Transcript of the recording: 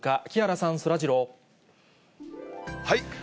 木原さん、そらジロー。